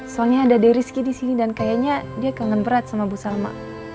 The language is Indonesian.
soalnya ada deriski disini dan kayaknya dia kangen berat sama bu salma